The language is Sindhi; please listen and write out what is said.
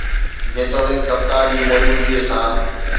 جيتوڻيڪ ڪپتان جي موجودگي سان